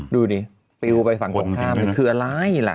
ดูนิบริวไปฝั่งตรงข้าเป็นคืออะไรหละ